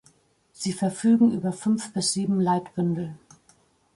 Sie verfügen über fünf bis sieben Leitbündel.